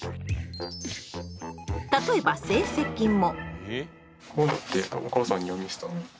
例えば成績も。